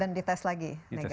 dan di tes lagi